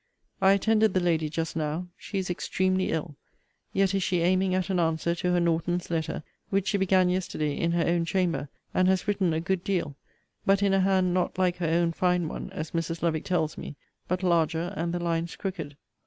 I attended the lady just now. She is extremely ill: yet is she aiming at an answer to her Norton's letter, which she began yesterday in her own chamber, and has written a good deal: but in a hand not like her own fine one, as Mrs. Lovick tells me, but larger, and the lines crooked.